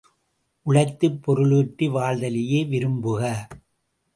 உழைத்துப் பொருளீட்டி வாழ்தலையே விரும்புக.